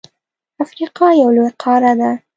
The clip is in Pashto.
افریقا یو لوی قاره ده.